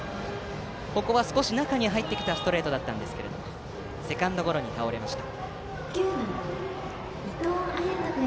ここは少し中に入ってきたストレートでしたがセカンドゴロに倒れました。